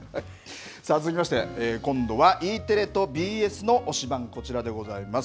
さあ、続きまして、今度はＥテレとＢＳの推しバン！、こちらでございます。